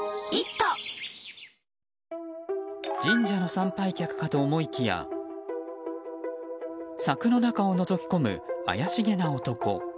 神社の参拝客かと思いきや柵の中をのぞき込む、怪しげな男。